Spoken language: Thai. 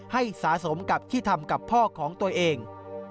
สะสมกับที่ทำกับพ่อของตัวเอง